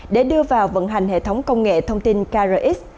để đưa vào vận hành hệ thống công nghệ thông tin krx